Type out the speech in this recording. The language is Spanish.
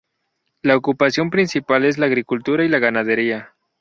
La ocupación principal es la agricultura y la ganadería.